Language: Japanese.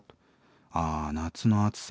あ夏の暑さ。